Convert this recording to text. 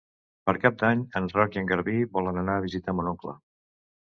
Per Cap d'Any en Roc i en Garbí volen anar a visitar mon oncle.